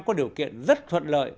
có điều kiện rất thuận lợi